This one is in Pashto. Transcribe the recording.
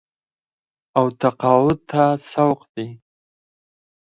او تقاعد ته سوق دي